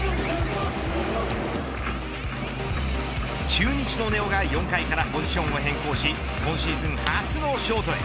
中日の根尾が４回からポジションを変更し今シーズン初のショートへ。